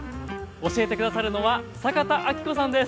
教えて下さるのは坂田阿希子さんです。